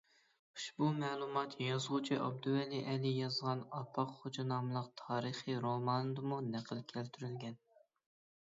ئۇشبۇ مەلۇمات، يازغۇچى ئابدۇۋەلى ئەلى يازغان «ئاپاق خوجا» ناملىق تارىخىي روماندىمۇ نەقىل كەلتۈرۈلگەن.